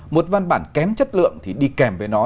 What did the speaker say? một văn bản kém chất lượng thì đi kèm với nó